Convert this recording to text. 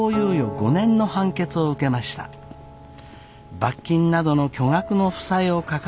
罰金などの巨額の負債を抱えましたが。